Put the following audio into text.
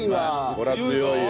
これは強いよ。